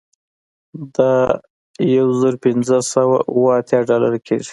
دا یو زر پنځه سوه اوه اتیا ډالره کیږي